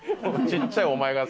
ちっちゃい大悟。